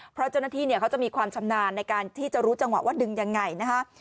เพราะเจ้าหน้าที่เขาจะมีความชำนาญในการที่จะรู้จังหวะว่าดึงยังไงนะฮะ